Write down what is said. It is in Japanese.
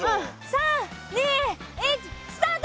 ３２１スタート！